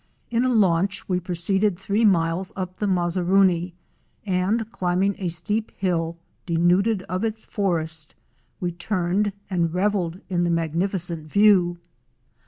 In a launch we proceeded three miles up the Mazaruni, and climbing a steep hill, denuded of its forest, we turned and revelled in the magnifi cent view.